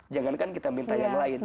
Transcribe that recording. jangankan kita minta yang lain